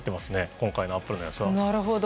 今回のアップルのやつは。